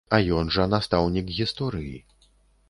А ён жа настаўнік гісторыі.